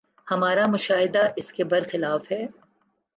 ہمارا مشاہدہ اس کے بر خلاف ہے۔